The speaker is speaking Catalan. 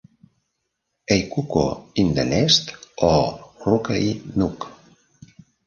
"A Cuckoo in the Nest" o "Rookery Nook".